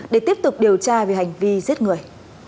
để tiếp tục điều tra về hành vi giết người